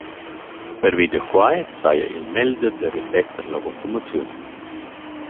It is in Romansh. Pervi da quai saja il meglder da repeter la votumaziun.